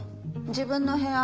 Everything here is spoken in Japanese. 自分の部屋。